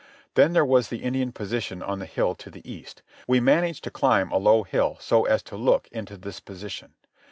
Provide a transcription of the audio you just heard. Then there was the Indian position on the hill to the east. We managed to climb a low hill so as to look into this position.